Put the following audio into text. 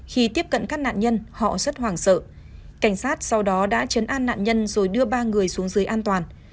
khi tiếp cận các nạn nhân họ rất hoảng sợ cảnh sát sau đó đã chấn an nạn nhân rồi đưa ba người xuống dưới an toàn